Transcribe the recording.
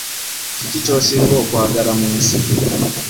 Kiki ky'osinga okwagala mu nsi.